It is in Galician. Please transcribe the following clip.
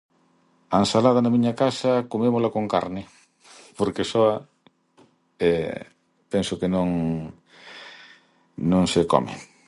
A ensalada na miña casa comémola con carne porque soa penso que non, non se come.